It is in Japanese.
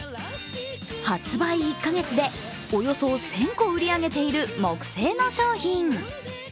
発売１か月でおよそ１０００個売り上げている木製の商品。